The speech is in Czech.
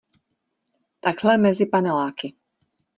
Takhle mezi paneláky